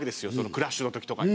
クラッシュのときとかに。